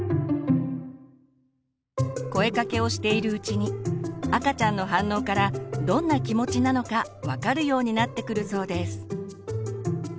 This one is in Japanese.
声かけをしているうちに赤ちゃんの反応からどんな気持ちなのか分かるようになってくるそうです。